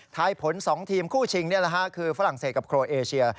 ผล๒ทีมคู่ชิงคือฝรั่งเศสกับโครเอเชีย